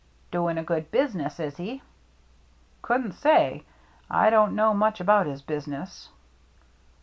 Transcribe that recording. " Doing a good business, is he ?"" Couldn't say. I don't know much about his business."